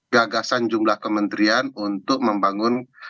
gagasan jumlah kementerian untuk membangun